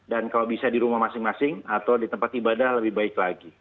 dan kalau bisa di rumah masing masing atau di tempat ibadah lebih baik lagi